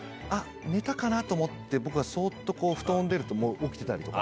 寝たかなと思ってそっと布団を出ると起きてたり。